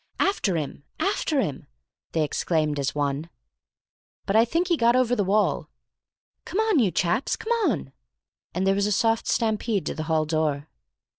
"After him, after him!" they exclaimed as one. "But I think he got over the wall—" "Come on, you chaps, come on!" And there was a soft stampede to the hall door.